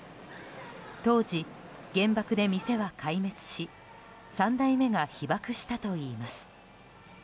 当時、原爆で店は壊滅し３代目が被爆したといいます。